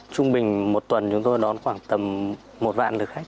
trung bình một tuần chúng tôi đón khoảng tầm một vạn lực khách